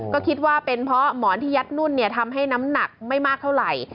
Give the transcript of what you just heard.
ก็คิดว่าเป็นเพราะหมอนที่ยัดนุ่นทำให้น้ำหนักไม่มากเท่าไหร่